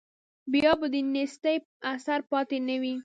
بیا به د نیستۍ اثر پاتې نه وي.